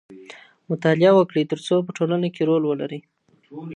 مطالعه وکړئ ترڅو په ټولنه کي رول ولرئ.